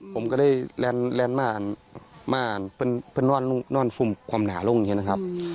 ผมก็เลยแรนแรนมารมารเป็นเป็นนอนนอนฟุ่มความหนาลงอย่างนี้นะครับ